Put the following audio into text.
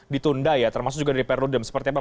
ditunda ya termasuk juga dari perludem seperti apa